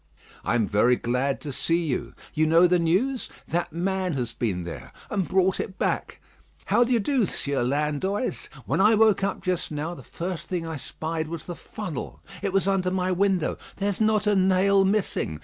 I am very glad to see you. You know the news? That man has been there, and brought it back. How d'ye do, Sieur Landoys? When I woke up just now, the first thing I spied was the funnel. It was under my window. There's not a nail missing.